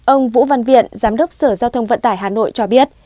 ông vũ văn viện giám đốc sở giao thông vận tải hà nội cho biết